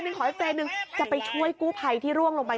ขออีกเรนหนึ่งจะไปช่วยกู้ภัยที่ร่วงลงไป